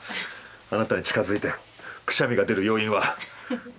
あなたに近づいてくしゃみが出る要因は。